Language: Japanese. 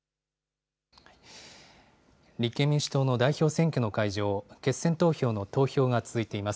立憲民主党の代表選挙の会場、決選投票の投票が続いています。